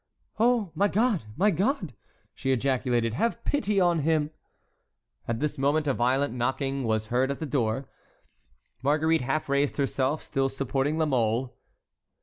"Oh, my God! my God!" she ejaculated, "have pity on him!" At this moment a violent knocking was heard at the door. Marguerite half raised herself, still supporting La Mole.